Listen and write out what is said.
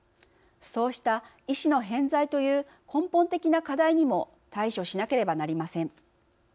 そうした医師の偏在という根本的な課題にも対処しなければなりません。